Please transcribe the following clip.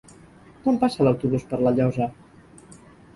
Quan passa l'autobús per La Llosa?